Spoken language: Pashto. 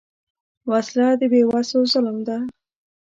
وسله د بېوسو ظلم ده